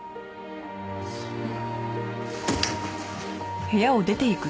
そんな。